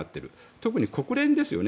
特に国連ですよね。